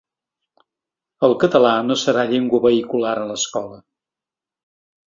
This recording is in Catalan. El català no serà llengua vehicular a l’escola.